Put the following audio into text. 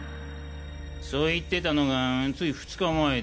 そう言ってたのがつい２日前で。